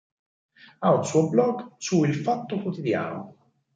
Ha un suo blog su "Il Fatto Quotidiano".